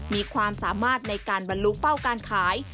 มีความสามารถในการบรรลุเป้าการขาย